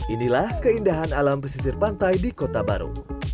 inilah keindahan alam pesisir pantai di kota baru